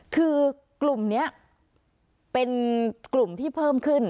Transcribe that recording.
คือกลุ่มนี้เป็นกลุ่มที่เพิ่มขึ้น